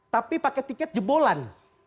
tapi pakai tiket jebolan